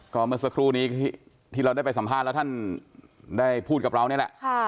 ก็เมื่อสักครู่นี้ที่เราได้ไปสัมภาษณ์แล้วท่านได้พูดกับเรานี่แหละ